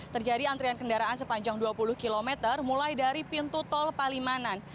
terjadi antrian kendaraan sepanjang dua puluh km mulai dari pintu tol palimanan